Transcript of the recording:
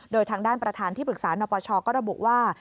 โดยทางด้านประธานที่ปรึกษานปชก็ระบุว่า